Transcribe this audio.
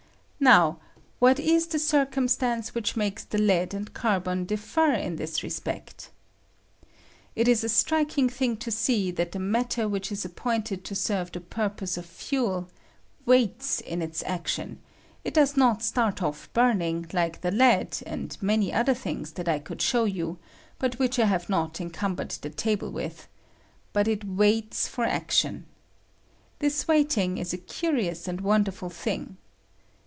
Now, what is the circumstance which makes the lead and carbon differ in this respect? It is a striking thing to see that the matter which is appointed to serve the purpose of fuel waits in its action ; it does not start off burning, like the lead and many other things that I could show you, but which I have not encumbered the table with ; but it waits for action. This waiting is a curious and wonderful thing.